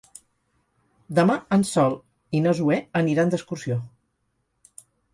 Demà en Sol i na Zoè aniran d'excursió.